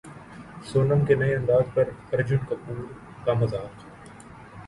سونم کے نئے انداز پر ارجن کپور کا مذاق